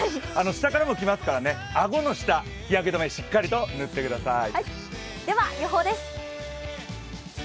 下からも来ますから顎の下、日焼け止めをしっかりと塗ってください。